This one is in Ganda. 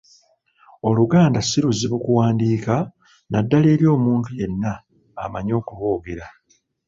Oluganda si luzibu kuwandiika, naddala eri omuntu yenna amanyi okulwogera.